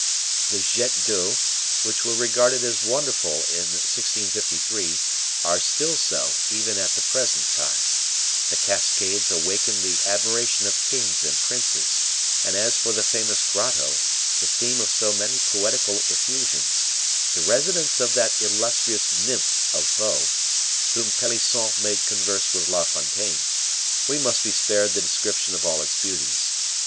The jets d'eau, which were regarded as wonderful in 1653, are still so, even at the present time; the cascades awakened the admiration of kings and princes; and as for the famous grotto, the theme of so many poetical effusions, the residence of that illustrious nymph of Vaux, whom Pelisson made converse with La Fontaine, we must be spared the description of all its beauties.